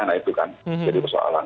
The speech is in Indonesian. nah itu kan jadi persoalan